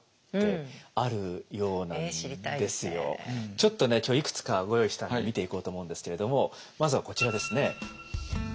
ちょっとね今日いくつかご用意したんで見ていこうと思うんですけれどもまずはこちらですね。